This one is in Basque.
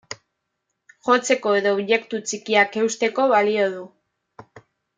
Jotzeko edo objektu txikiak eusteko balio du.